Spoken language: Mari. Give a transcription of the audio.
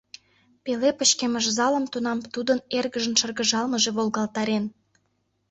Пеле пычкемыш залым тунам тудын эргыжын шыргыжалмыже волгалтарен.